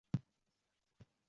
Yangi tipdagi hashamatli idora.